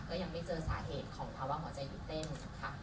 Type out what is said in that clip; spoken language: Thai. ก็ยังไม่เจอสาเหตุของภาวะหัวใจหยุดเต้นค่ะ